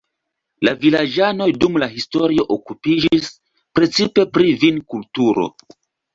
La vilaĝanoj dum la historio okupiĝis precipe pri vinkulturo.